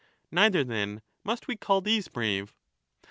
Neither, then, must we 35 call these brave.